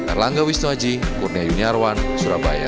erlangga wisnuaji kurnia yuniarwan surabaya